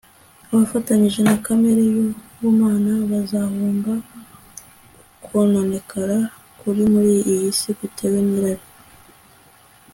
abafatanyije na kamere y'ubumana bazahunga ukononekara kuri muri iyi si gutewe n'irari